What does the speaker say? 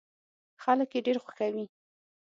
خلک يې ډېر خوښوي.